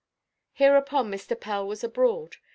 Hereupon Mr. Pell was abroad.